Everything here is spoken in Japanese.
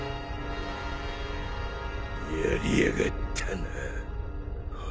やりやがったなあ